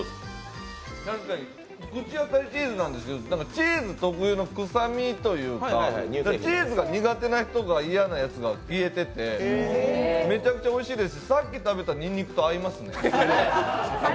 口当たりはチーズなんですけど、チーズ特有の臭みというかチーズが苦手な人が嫌なやつが消えてて、めちゃくちゃおいしいですし、さっき食べたにんにくと合いますね。